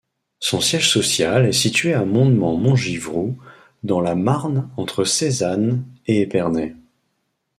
Son siège social est situé à Mondement-Montgivroux dans la Marne entre Sézanne et Épernay.